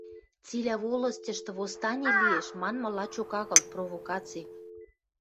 Цилӓ волостьышты восстани лиэш» манмы лачок агыл, провокаци.